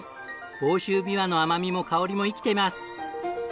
房州びわの甘みも香りも生きています。